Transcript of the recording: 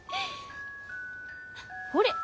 ほれ。